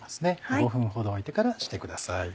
５分ほど置いてからしてください。